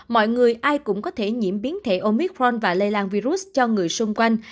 mọi người ai cũng có thể nhiễm biến thể omicron và lây lan virus cho người xung quanh